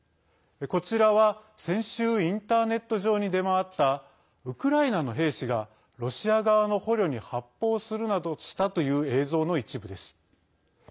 こちらは、先週インターネット上に出回ったウクライナの兵士がロシア側の捕虜に発砲するなどしたという映像の一部です。